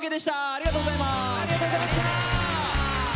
ありがとうございます。